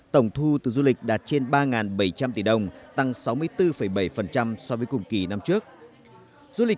tổng thu từ du lịch đạt trên ba bảy trăm linh tỷ đồng tăng sáu mươi bốn bảy so với cùng kỳ năm trước